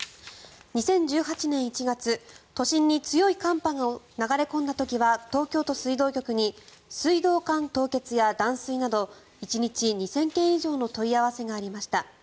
２０１８年１月、都心に強い寒波が流れ込んだ時は東京都水道局に水道管凍結や断水など１日２０００件以上の問い合わせがありました。